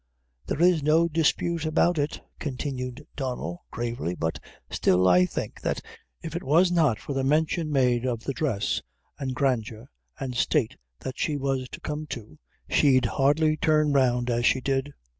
"There is no dispute about it," continued Donnel, gravely; "but still I think, that if it was not for the mention made of the dress, an' grandeur, and state that she was to come to, she'd hardly turn round as she did.